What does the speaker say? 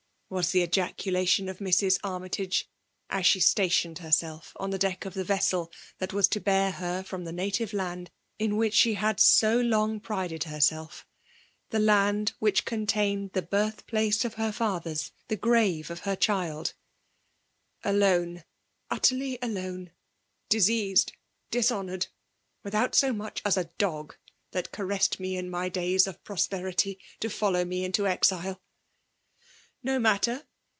"— was the ejaculation rf Mrs. Armytage, as she stationed heiself on the deck of the vessel that was to bear ber firom the native land in which she had so long^ prided herself; the land viidth contained the birth place of her fathers^ the grave of her child ;'' alone, — utterly alone ; diseased, dk honoured ; without so much as a dog that caressed me in my days of prosperity, to foUow me into exile! — Ho matter!